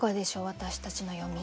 私たちの読み。